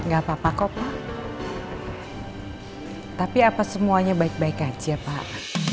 gak n detrimental mungkin namanya kalau kayakmu pak